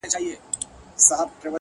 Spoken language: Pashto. ژونده د څو انجونو يار يم” راته ووايه نو”